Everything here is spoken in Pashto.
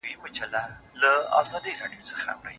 معشوقې په بې صبري کي کله چا میندلي دینه